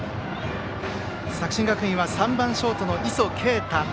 作新学院、打席には３番ショート、磯圭太。